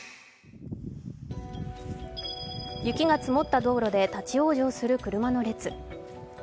雪が積もった道路で立往生する車の列。